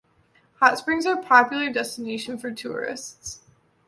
Hot springs are a popular destination for tourists.